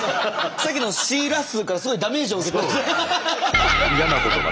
さっきのシー・ラッスーからすごいダメージを受けてます。